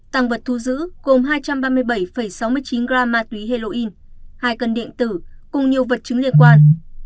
tăng vật thu giữ gồm hai trăm ba mươi bảy sáu mươi chín gram ma túy heroin hai cân điện tử cùng nhiều vật chứng liên quan